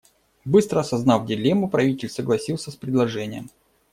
Быстро осознав дилемму, правитель согласился с предложением.